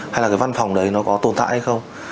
hay là cái văn phòng đấy nó có tồn tại hay không